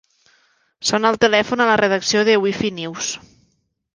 Sona el telèfon a la redacció de Wifi News.